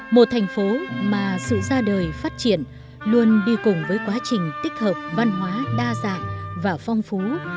một thành phố mà sự ra đời phát triển luôn đi cùng với quá trình tích hợp văn hóa đa dạng và phong phú